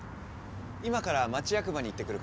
今から町やく場に行ってくるから。